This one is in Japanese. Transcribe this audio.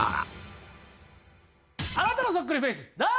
あなたのそっくりフェイス誰？